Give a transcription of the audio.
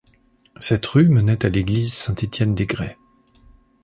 Cette rue menait à l'église Saint-Étienne-des-Grès.